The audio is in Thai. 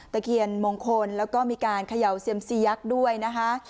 ตะเคียนมงคลแล้วก็มีการเขย่าเซียมซียักษ์ด้วยนะคะ